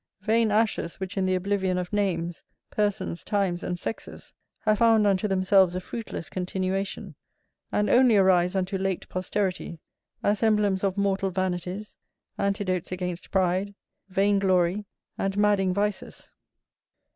Vain ashes which in the oblivion of names, persons, times, and sexes, have found unto themselves a fruitless continuation, and only arise unto late posterity, as emblems of mortal vanities, antidotes against pride, vain glory, and madding vices.